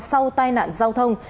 sau tai nạn giao thông